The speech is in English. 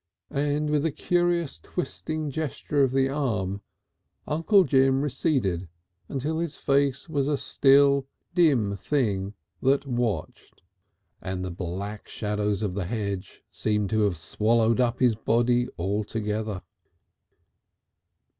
And with a curious twisting gesture of the arm Uncle Jim receded until his face was a still, dim thing that watched, and the black shadows of the hedge seemed to have swallowed up his body altogether.